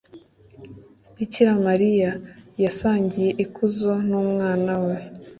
bikira mariya yasangiye ikuzo n'umwana we